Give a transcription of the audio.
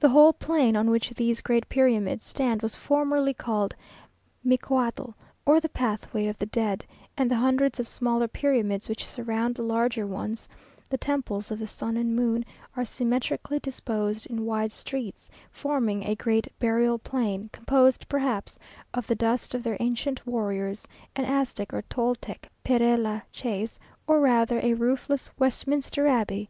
The whole plain on which these great pyramids stand was formerly called Micoatl, or the Pathway of the Dead; and the hundreds of smaller pyramids which surround the larger ones (the Temples of the Sun and Moon) are symmetrically disposed in wide streets, forming a great burial plain, composed perhaps of the dust of their ancient warriors, an Aztec or Toltec Pere la Chaise, or rather a roofless Westminster Abbey.